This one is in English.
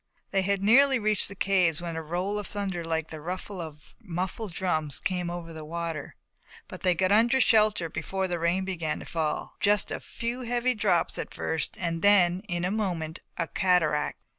They had nearly reached the caves when a roll of thunder like the ruffle of muffled drums came over the water, but they got under shelter before the rain began to fall, just a few heavy drops, at first, and then in a moment a cataract.